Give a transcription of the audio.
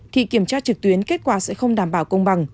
thì kiểm tra trực tuyến kết quả sẽ không đảm bảo công bằng